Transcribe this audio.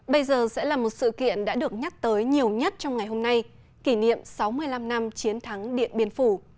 bây giờ sẽ là một sự kiện đã được nhắc tới nhiều nhất trong ngày hôm nay kỷ niệm sáu mươi năm năm chiến thắng điện biên phủ